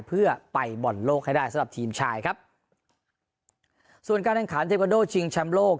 เพื่อไปบอลโลกให้ได้สำหรับทีมชายครับส่วนการแข่งขันเทควาโดชิงแชมป์โลก